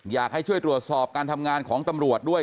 อยากให้ช่วยตรวจสอบการทำงานของตำรวจด้วย